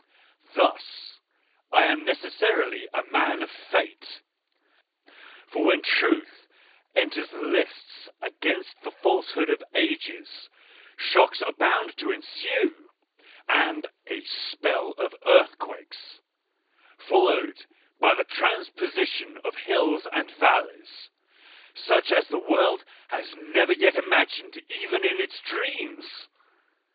Thus, I am necessarily a man of Fate. For when Truth enters the lists against the falsehood of ages, shocks are bound to ensue, and a spell of earthquakes, followed by the transposition of hills and valleys, such as the world has never yet imagined even in its dreams.